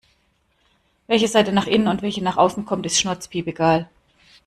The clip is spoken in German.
Welche Seite nach innen und welche nach außen kommt, ist schnurzpiepegal.